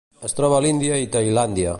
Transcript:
Es troba a l'Índia i Tailàndia.